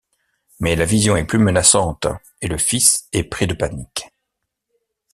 Mais la vision est plus menaçante, et le fils est pris de panique.